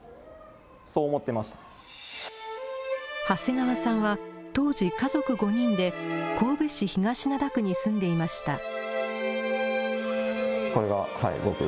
長谷川さんは当時、家族５人で神戸市東灘区に住んでいました。